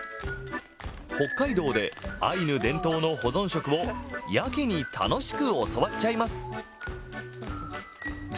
北海道でアイヌ伝統の保存食をやけに楽しく教わっちゃいます。